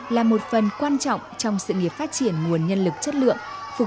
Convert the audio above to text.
là một phần quan trọng trong sự nghiệp phát triển nguồn nhân lực chất lượng